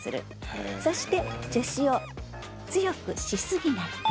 そして助詞を強くしすぎない。